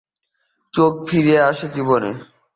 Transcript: চোখ ফিরে আসে জীবনে।